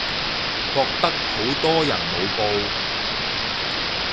覺得好多人冇報